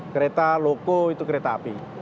kereta loko itu kereta api